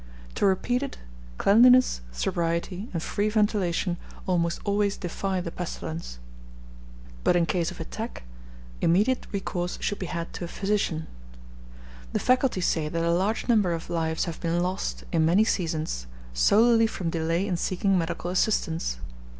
To repeat it, cleanliness, sobriety, and free ventilation almost always defy the pestilence; but, in case of attack, immediate recourse should be had to a physician. The faculty say that a large number of lives have been lost, in many seasons, solely from delay in seeking medical assistance.